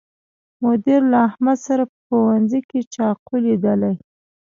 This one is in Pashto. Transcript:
مدیر له احمد سره په ښوونځي کې چاقو لیدلی